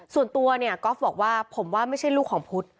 ส่วนตัวก็บอกว่าผมว่าไม่ใช่ลูกของพุทธ